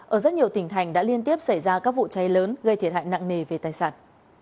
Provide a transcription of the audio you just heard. ở rất nhiều tỉnh thành đã liên tiếp xảy ra các vụ cháy lớn gây thiệt hại nặng nề về tài sản